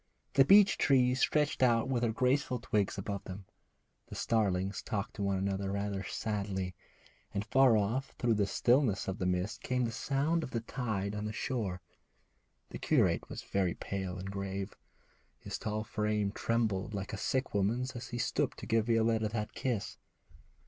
The beech trees stretched out their graceful twigs above them, the starlings talked to one another rather sadly, and far off through the stillness of the mist came the sound of the tide on the shore. The curate was very pale and grave. His tall frame trembled like a sick woman's as he stooped to give Violetta that kiss.